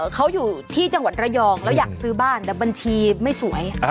เขาอยู่ที่จังหวัดระยองแล้วอยากซื้อบ้านแต่บัญชีไม่สวย